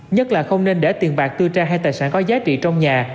nhất là không nên để tiền bạc tư trang hay tài sản có giá trị trong nhà